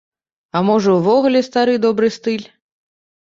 А можа ўвогуле стары добры стыль?